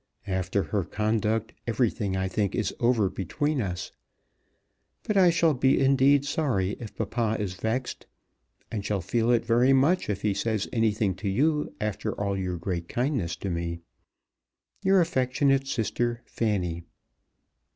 After her conduct everything I think is over between us. But I shall be indeed sorry if papa is vexed; and shall feel it very much if he says anything to you after all your great kindness to me. Your affectionate sister, FANNY.